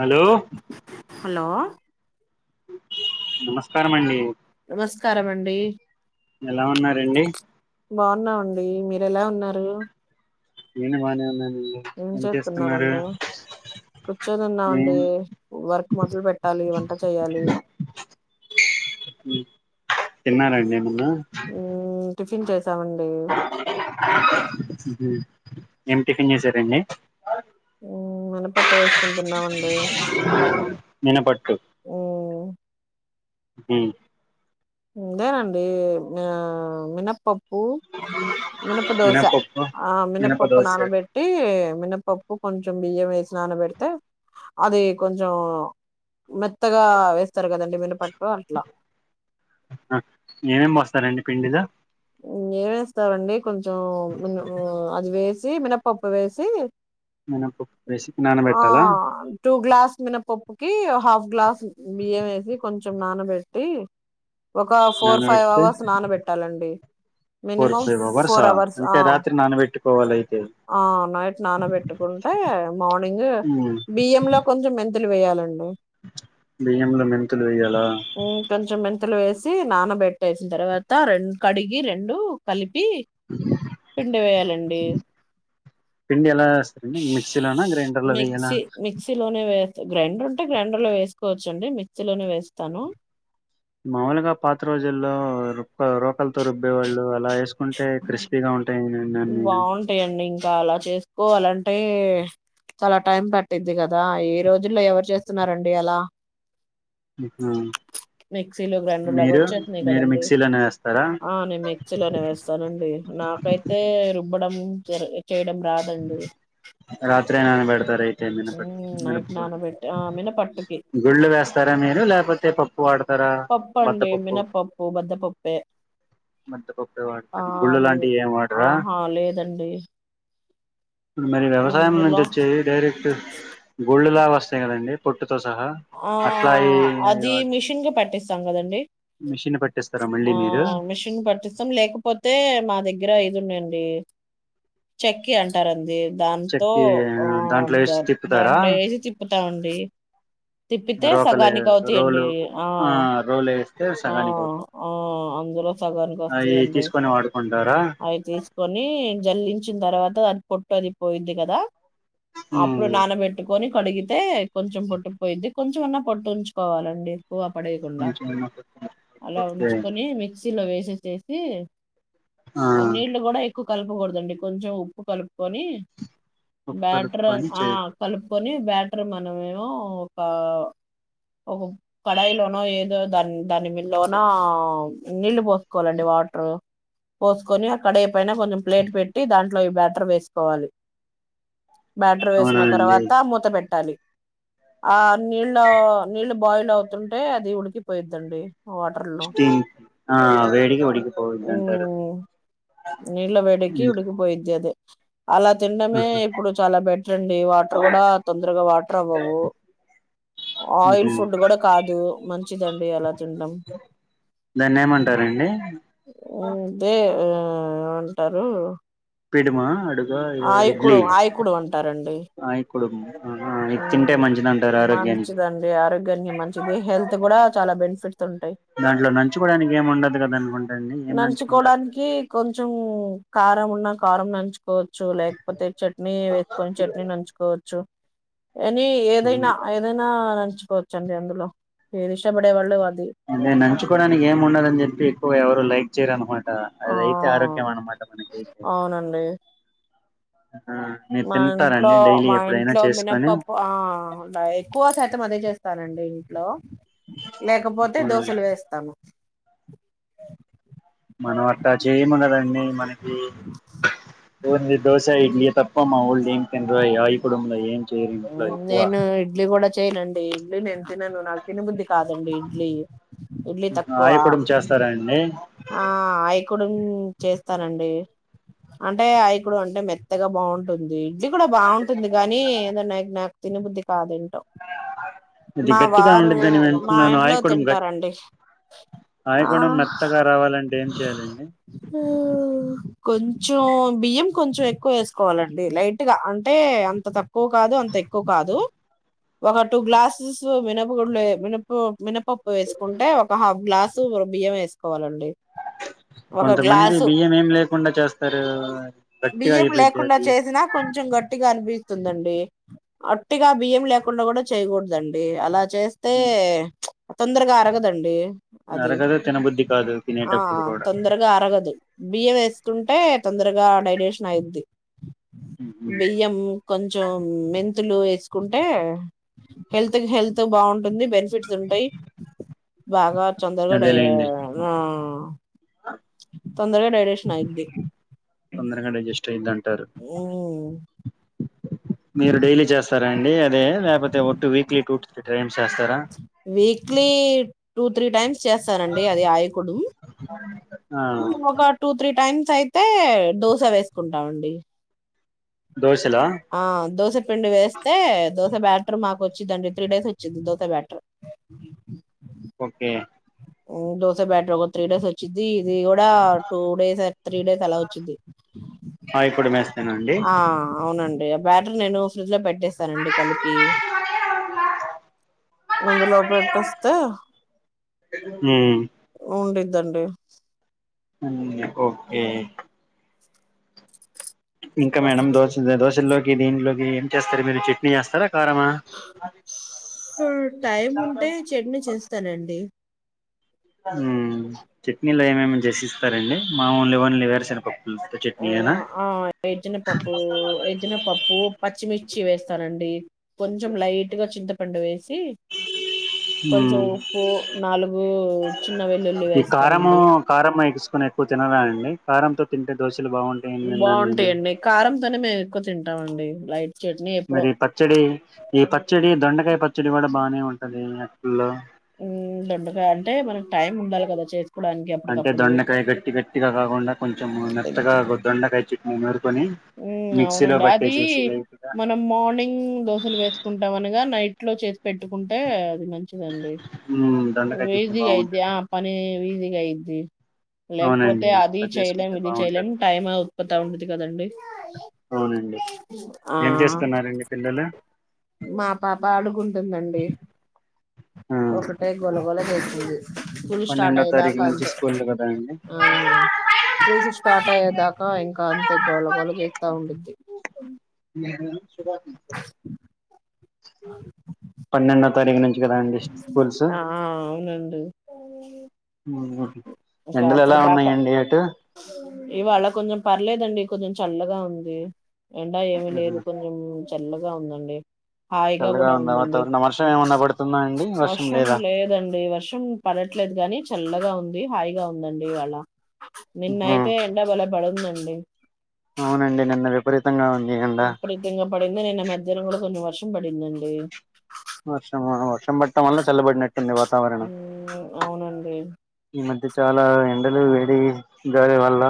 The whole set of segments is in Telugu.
హలో హలో నమస్కారం అండి నమస్కారమండి ఎలా ఉన్నారండి బాగున్నావండి మీర ఎలా ఉన్నారు ఏను మాానే ఉన్న న్ ఏం చేత్తున్నారండి కూర్చోని ఏం ఉన్నామండి వర్క్ మొదలు పెట్టాలి వంట చేయాలి మ్మ్ తిన్నారండి మున్న టిపిన్ చేస్ మ్మ్ హ్మ్ మ్మ్ ఏమి టిఫన్ చేసారండి మ్మ్ మనం పట్ట వేసుకుని తిన్నామండి నినపట్ టు మ్మ్ ఇంగేమండి ఆ మినపప్ మ్మ్ మినప దోశ మినపప్పు ఆ మినప మినపప్పు దోస నానబెట్టి మినప్ పప్పు కొంచెం బియ్యం వేసి నాన పెడితే అది కొంచెం మెత్తగా వేస్తారు కదండి మినప వర్ట్లా ఏమేమి పోస్తారంండి పిండిద ఏమిే ఇస్తవండి కొంచం అది వే జ మిన పప్పు వేసి మినపప్పు వేసి ఆ నానబెట్టాలా టూ గ్లాస్ మ ప హాఫ్ గ్లాస్ బియ్యం వేసి కొంచెం నానబెట్టి ఒక ఫోర్ ఫైవ్ నానబెడితే అవర్స్ నానబెట్టాలండి ఫోర్ మినిమం ఫైవ్ అవర్సా ఫోర్ అవర్స్ అంటే రాత్రి నానబెట్టుకోవాలి అయితే నైట్ నానబెట్టుకుంటే మార్నింగ్ బియ్యం లో కొంచెం ఎందులు వేయాలండి బియ్యంలో మెంతులు వేయ్యలా గలు వేసి నానబెట్టేసిన తర్వాత రెం కడిగి రెండు కలిపి పిండ వేయాలండి పిడి ఎలా మిక్సీలోనా గ్రైండర్ లో వయాల మిక్సీ మిక్సీలోనే వేస్త గ్రైండర్ ఉంటే గ్రైండర్ లో వేసుకోవచ్చండి మిక్సీలోనే వేస్తాను మాముూలుగా పాత రోజుల్లో ర రోకలతో రుబ్బ బ్బేవాళ్ళు అలా వేసుకుంటే క్రిస్పీగా ఉంటాయి నేను తకోవాలంటే చాలా టైం పట్టిద్ది కదా ఏ రోజుల్లో ఎవరు చేస్తున్నారండి అలా ఆ, మిక్సీలో గ్రైండర్ లాగా మీరు వచ్చేస్తున్నాయి మీరు కదంీ మిక్సీలోనే వేస్తారా ఆ నేను మిక్సీలోనే వేస్తానండి నాకైతే ఇవ్వడం జ చేయడం రాదండి రాత్రి ననే బడతార మినప మ్మ్ నైట్ మినపు గు నానబెట్టి ఆ మినపట్టుకి గుళ్ళు వేస్తారా మీరు లేకపోతే పప్పు వాడతారా పప్పు అండి బద్దపప్పు మినపప్పు బద్దపప్పే మద్దపక్కే ఆ వాడతారు గుళ్ళు అవి లాంటివి ఏం వాడరా ఆహా లేదండి ఇప్పుడు మరి వ్యవసాయం నుంచి ఇందులో వచ్చే డైరెక్ట్ గోల్డ్ వస్తయలు అండి ప ఆ అది మిషన్ క పట్టిస్తాం కదండి మిషన్ పట్టిస్తారా మళ్ళీ ఆ మీరు మిషిన్ పట్ తం లేకపోతే మా దగ్గర ఇది ఉండండి చెకి అంటారు అంది దాంతో చెక్కి ఆ దాంట్లో వేసి తిప్పుతారా దాంట్లో వేసి తిప్పుతామండి తిప్పితే రోకలే సగానికి అవుతాయంండి రోలు ఆ రోలు వేస్తే సగానికి అవుతుంది అందులో సగానికి అవి వస్తాయంండి తీసుకొని వాడుకుంటారా అవి తీసుకొని జల్లి వచ్చిన తర్వాత దాన్ని పొట్టు అది పోయింది కదా ఉమ్, అప్పుడు నాన పెట్టుకొని కడిగితే కొంచెం పొట్టుపోయిద్ది కొంచెమన్నా పొట్టు ఉంచుకోవాలండి క్కువ పడేయకుండా కొంచెం అలా ఓకే ఉంచుకొని మిక్స్ చ్చీలో వేస చేేసి ఆ అవును నీళ్ళు కూడా ఉకు కలపకూడదండి కొంచెం ఉప్పు కలుపుకొని ఉప్పు బ్యాటర్ కలుపుకొని ఆ చే కల్ కని బ్యాటర్ మనమేమో ఒక ఒక కడాయిలోనో ఏదో దాని దానిలోనో నీళ్ళు పోసుకోవాలండి వాటర్ పోసుకొని ఆ కడై పైన కొంచెం ప్లేట్ పెట్టి దాంట్లో ఈ బ్యాటర్ వేసుకోవాలి బ్యాట్ర అవునా వేసిన అండి తర్వాత మూత పెట్టాలి ఆ నీళ్ళు నీళ్ళు బాయిల్ అవుతుంటే అది ఉడికిపోయద్దండి వాటర్లు స్టీమ్ ఆ వేడికి ఉడికి ఉ నీళ్ళ వేడికి ఉమ్, ఉడుకుపోయిది అదే అలా తిినడమే ఆహా, ఇప్పుడు చాలా బెటర్ అండి వాటర్ కూడా తొందరగా వాటర్ అవ్వవు ఆయిల్ ఉహు. ఫుడ్ కూడా కాదు మంచిదిండి అలా తినడం దాన్ని ఏమంటారండి అదే ఆ ఏమంటారు [unintelligible] ఇడ్లీ ఆయకుడు ఆయకుడు అంటారండి అయి కుడుము ఆహా, ఇది తింటే మంచిది అంటారు ఆరోగ్యానికి మంచిదండి ఆరోగ్యానికి మంచిది హెల్త్ కూడా చాలా బెనిఫి దాంట్లో నంచుకోవడానికి ఏమి ఉండదు కదా అనుకుంటండి ఏం నంచుకుంటారు నంచుకోవడానికి కొంచెం కారం ఉన్న కారం నంచుకోవచ్ లేకపోతే చట్నీ వేసుకొని చట్నీ నంచుకోవచ్చు అని ఉహు. ఏదైనా ఏదైనా నంచుకోవచ్చండి అందులో మీే ఇష్టపడే వాళ్ళు అ అదే నంచుకోవడానికి ఏం ఉండదుని చెప్పి ఎక్కువ ఎవరు లైక్ చెయ్యరు అణు ట ఆ అది అయితే ఆరోగ్యం అన్న మాట మనకి అయితే అవునండి మా ఇంట్లో మా ఎప్పుడైనా ఇంట్లో మినప్ప చేసుకొని ఆ ఎక్కువ శాతం అదే చేస్త స్తానండి ఇంట్లో లేకపోతే దోశలు వేస్తాము [unintelligible] మనం అట్లా చేయము కదా అండి మనకి ఓన్లీ దోశ ఇడ్లీ తప్ప మా వోళ్ళు దేనికి [unintelligible] నేను ఇడ్లీ కూడా చ్ చేయనండి ఇడ్లీ నేను తినను నాకు తినబుద్ది కాదండి ఇడ్లీ ఇడ్లీ తక్కువ ఆయ కుడుం చేస్తారాండి కుడుం చేస్తానండి అంటే ఆయకుడుం అంటే మెత్తగా బాగుంటుంది ఇడ్లి కూడా బాగుంటుంది కానీ నాక్ తినబుద్ధికాదన్ ఇది మా గట్టిగా వారు ఉండిద్దని మా వింటున్నాను ఇంట్లో ఆయకుడం గట్ తింటారండి ఆ ఆయకుడం మెత్తగా రావాలంటే ఏం చేయాలండి కొంచెం బియ్యం కొంచెం ఎక్కువ వేసుకోవాలండి లైట్ గా అంటే అంత తక్కువ కాదు అంత ఎక్కువ కాదు. ఒక టూ గ్లాసెస్ మినపగుళ్ళే మినప మినప్ పప్పు వేసుకుంటే ఒక హాఫ్ గ్లాస్ బియ్యం వేసుకోవాలండి ఒక కొంతమంది గ్లాసు బియ్యం ఏమి లేకుండా చేస్తారు గట్టిగా బియ్యం అయిపోయిద్ది ఆ బియ్యం తుందండి అట్టిగా బియ్యం లేకుండా కూడా చేయ్యకూడదండి అలా చేస్తే తొందరగా అరగదండి అది నరగదు తినబుద్ధి కాదు ఆ తినేటప్పుడు కూడా తొందరగా అరగదు బియ్యం వేసుకుంటే తొందరగా డైడేషన్ అయిద్ది మ్మ్. బియ్యం కొంచం మెంతులు ఏసుకుంటే హెల్త్కి హెల్త్ బాగుంటుంది బెనిఫిట్స్ ఉంటాయి బాగా తొందరగా డై అదేలేండి ఆ తొందరగా డైరేషన్ అయిద్ది తొందరగా డైజెస్ట్ అయిద్ది అంటారు ఓహో మీరు డైలీ చేస్తారా అండి అదే లేపోతే ఓటు weekly two three time weekly two three times చేస్తానండి అది ఆయకుడుం. ఆ ఒక టూ త్రీ టైమ్స్ అయితే దోస వేసుకుంటామండి దోశలా ఆ దోసపిండి వేస్తే దోస బ్యాటర్ మాకు ఒచ్చిదండి త్రీ డేస్ ఒచ్చిద్ది దోస బ్యాటరు ఓకే ఉమ్ దోసె బ్యాటర్కొక త్రీడేస్ ఒచ్చిద్ది ఇది కూడా టూ డేస్ త్రీ డేస్ అలా వచ్చిది ఆయి పొడి మేస్తేనా అండి ఆ అవునండి బ్యాటర్ నేను ఫ్రిడ్జ్ లో పెట్ చేేస్తానండి కలిపి రందు లోపెట్స్త హ ఉంద్దండి ఓకే ఇంకా మేడం దోశ దోశల్లోకి దీంట్లోకి ఏం చేస్తారు మీరు చట్నీ చేస్తారా కారమా టైం ఉంటే చెడ్ని చేస్త స్తానండి చట్నీలు ఏమేమి జసిస్తారండి మా న్ వన్లు వేరు సరిపో ఆ ఆ ఎజన పప్పు ఎజిన పప్పు పచ్చిమిర్ చ్చి వేస్తానండి కొంచెం లైట్ గా చింత పంండ వే వ ఉమ్ కొంచెం ఉప్పు నాలుగు చిన్న వెల్లుల్లి ఈ కారము వేస్తారండి కారం ఎసుకుని ఎక్కువ తినాలడి విన్నాను నేను బాగుంటాయండి కారంతోనే మేము ఎక్కువ తింటా ంటా అండి లైట్ చట్నీ ఎప్పుడో మరి పచ్చడి ఈ పచ్చడి దొండకాయ పచ్చడి కూడా బానే ఉంటది లే ఉ దండగ అంటే మనకు టైమ్ ఉండాలి కదా చే అంటే దొండకాయ గట్టి గట్టిగా కాకుండా కొంచె మెత్తగా గొద్దండయి చికు ఉ అవునండి అది లైట్ గా మనం మార్నింగ్ దోశలు వేసుకుంటాం అనగా నైట్ ఇట్లో చేసి పెట్టుకుంటే అది మంచిదండి ఉమ్ దొండకాయ చట్నీ వజగా అది బాగుంటది ఆ పని వజ అయింది లేకపోతే అవునండి అది అట్లా చెయలేం చేసుకుంటే ఇది చెయలేం బాగుంటది టైం ఉత్పత్తి ఉంటది కదండి అవునండి ఆ ఏం చేస్తున్నారండి పిల్లలు మా పాప అడుగుంటుందండి ఆ ఒకటే గొలగొల చేసంది పూల్ స్టార్ట్ పన్నెండో తారీఖు అయ్యేదాకా నుంచి అంతే స్కూల్లు కదా అండి ఆ పూల్స్ స్టార్ట్ అయ్యేదాకా ఇంకా అతే గోళగోళ చేస్తా ఉంద్ది అ పన్నెండో తారీఖు ను ఆ అవునండి అ ఇంకా ఎండలు ఎలా అప్పుడు దాకా ఉన్నాయండి అటు ఇవాళ కొంచెం పర్లేదండి కొంచెం చల్లగా ఉంది ఎండా ఏమి లేదు కొంచెం చల్లగా ఉందండి హాయిగా చల్లగా కూడా ఉందా ఉందండి. మ వర్షం ఏమన్నా పడుతుంద వర్షం లేదండి వర్షం పడట్లేదు కాగాని చల్లగా ఉంది హాయిగా ఉందండి వాళ్ళ నిన్నయితే ఎంట పోలే పడుందండి డి అవునండి నిన్న విపరీతంగా ఉ ఇప్పుడు తింగ పడింది నిన్న మధ్యర కొన్న వర్షం పడిందండీ వర్షం వర్షం పట్టం వల్ చల్లబడినట్ అవునండి ఈ మధ్య చాలా ఎండలు వేడి గాడి వల్ల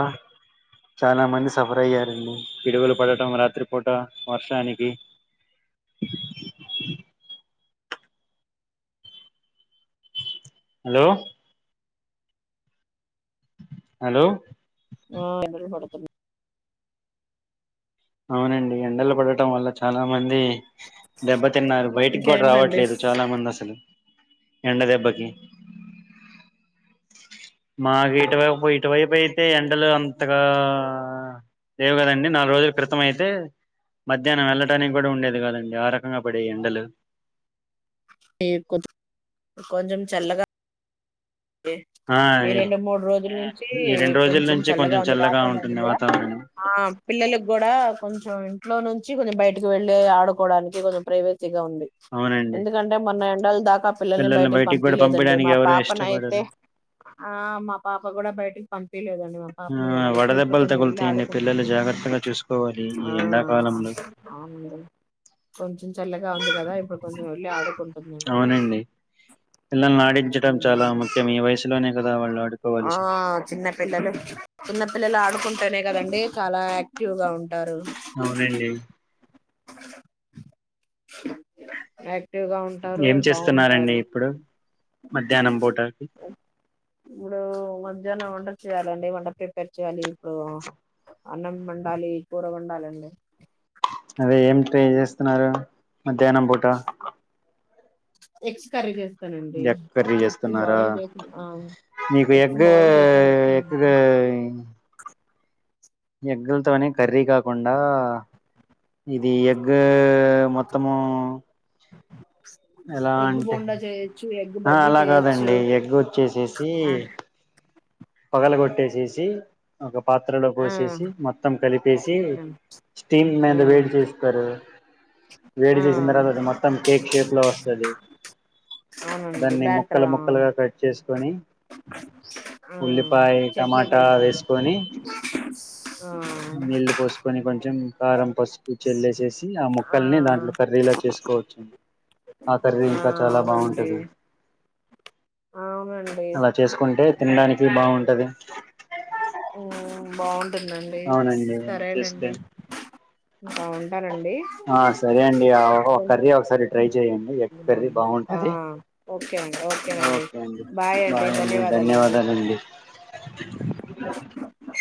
చాలా మంది సఫర్ అయ్యారుడి విడువలు పడటం రాత్రిపూట వర్షానికి హలో హలో ఆ ఎ పడ అవునండి ఎండలు పడటం వల్ల చాలా మంది దెబ్బతిన్నారు బయటికి కూడా ఇంకేంటండి రావట్లేదు చాలా మంది అసలు ఎండ దెబ్బకి మాకు ఇటువైపు ఇటువైపు అయితే ఎండలు అంతగా లేవు కదండి నాలుగు రోజులు క్రితం అయితే మధ్యాహ్నం వెళ్ళటానికి కూడా ఉండేది కదండి ఆ రకంగా పడే ఎండలు ఈ కొంచెం చల్లగా ఆ ఈ రెండు మూడు రోజుల నుంచి ఈ రెండు రోజుల కొంచెం నుంచి చల్లగా కొంచెం ఉంది వాతావరణం ఉంటుంది కూడా వాతావరణం ఆ పిల్లలకి కూడా కొంచెం ఇంట్లో నుంచి వచ్చి కొంచెం బయటికి వెళ్ళలి ఆడుకోవడానికి కొంచం ప్రైట్ ఉంది అవునండి ఎందుకంటే మొన్న ఎండలు దాకా పిల్లల్ని బయటకి బయటికి కూడా పంపిలేదండి పంపడానికి మా ఎవరు పాప నై ఇష్టపడరు అ ఆ మా పాప కూడా బయటికి పంపలేదండి మా ఆ పాపని కూడా ఇప్పుడు ఇప్పుడు వడదెబ్బలు కొంచెం వెళ్ళి తగులుతాయండి పిల్లలు ఆడుకుంటుంది జాగ్రత్తగా చూసుకోవాలి ఆ ఈ ఎండాకాలంలో అవు కొంచెం చల్లగా ఉంది కదా ఇప్పుడు కొంచెం వెళ్ళి ఆడుకుంటు అవునండి పిల్లని నాటించడం చాలా హ్మ్. ఇక మీ వయసులోనే కదా వాళ్ళు ఆ ఆడుకోవలసింది చిన్న పిల్లలు చిన్న పిల్లలు ఆడుకుంటేనే కదండి చాలా యాక్టివ్ గా ఉంటారు అవునండి ఎ ఆయాక్టివ్గా ఉంటారు ఏం చేస్తున్నారండి బాగుంటారు ఇప్పుడు మధ్యాహ్నం పోటకి వండ చేయాలండి వండ పపారు చేయాలి ఇప్పుడు అన్నం వండాలి కూర వండాలండి అదే ఏం ట్రై చేస్తున్నారు మధ్యాహ్నం పోట ఎక్ చి క ఎక్కక్కర్రీ చేస్తున్నారా ఆ మీకు ఎగ్స్ ఎగ్గ బాయిల్ చేసి ఎ్గా ఎగ్గులతోనే కర్రీ కాకుండా ఇది ఎగ్గు్ మొత్తము ఎలా ఎగ్గు అంటే బొండా చేయొచ్చు ఎగ్ ఆ బజ్జీ అలా చేయొచ్చు కాదండి ఎగ్ వచ్చేసేసి ఆ పగలు కొట్టేసేసి ఒక పాత్రలో ఆ పోసేసి మొత్తం కలిపేసి స్టీమ్ మీద వేడి చేస్తారు వేడి ఆ చేసిన తర్వాత అది మొత్తం కేక్ షేప్ లో వస్తుంది అవునండి దాన్ని బ్యాటర్ ముక్కలు ముక్కలుగా కట్ చేసి కొనీ [inaudible] ఆ చట్నీ టమాటా చేస్తుంది వేసుకొని నీళ్లు పోసుకొని కొంచెం కారం పసుపు చెల్లేేసేసి ఆ ముక్కల్ని దాంట్లో కర్రీలో చేసుకోవచ్చు ఆ కర్రీ ఇంకా చాలా బాగుంటంది అవునండి అలా చేసుకుంటే తినడానికి బాగుంటుంది ది బాగుంట ఉంటుందండి అవునండి అలా చేస్తే సరేనండి బాగుంటానండి ఆ సరే అండి ఆ కర్రీ ఒకసారి ట్రై చేయండి ఎగ్ కర్రీ బాగుంటది ఓకే అండి ఓకే అండి బాయ్ అండి ధన్యవాదాలండి [inaudible]